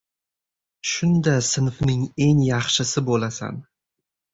Shunda sinfning eng yaxshisi boʻlasan.